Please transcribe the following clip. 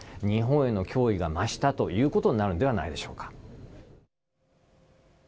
日本への脅威が増したということになるのではないでしょうか。